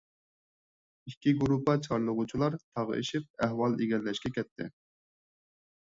ئىككى گۇرۇپپا چارلىغۇچىلار تاغ ئېشىپ ئەھۋال ئىگىلەشكە كەتتى.